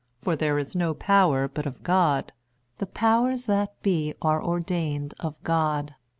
For there is no power but of God: the powers that be are ordained of God.